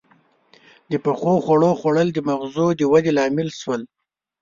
• د پخو خوړو خوړل د مغزو د ودې لامل شول.